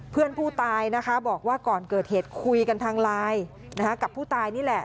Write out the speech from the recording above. เพื่อนผู้ตายนะคะบอกว่าก่อนเกิดเหตุคุยกันทางไลน์กับผู้ตายนี่แหละ